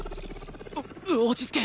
お落ち着け。